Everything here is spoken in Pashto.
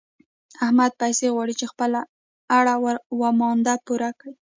احمد پيسې غواړي چې خپله اړه و مانده پوره کړي.